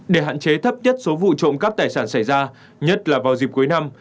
để hạn chế thấp nhất số vụ trộm cắp tài sản xảy ra nhất là vào dịp cuối năm